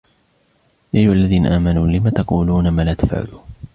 يا أيها الذين آمنوا لم تقولون ما لا تفعلون